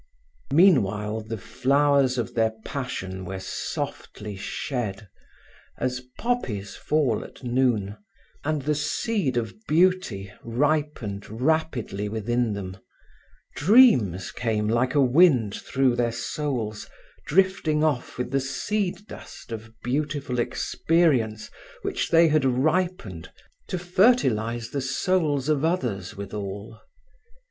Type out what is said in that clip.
Meanwhile the flowers of their passion were softly shed, as poppies fall at noon, and the seed of beauty ripened rapidly within them. Dreams came like a wind through, their souls, drifting off with the seed dust of beautiful experience which they had ripened, to fertilize the souls of others withal.